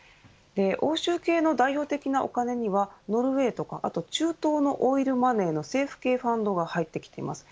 欧州系の代表的なお金にはノルウェーとか中東のオイルマネーの政府系ファンドが入ってきています。